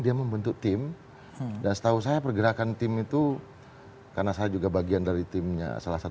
dulu gue gus dialah